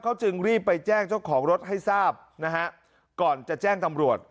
เขาจึงรีบไปแจ้งเจ้าของรถให้ทราบนะฮะก่อนจะแจ้งตำรวจ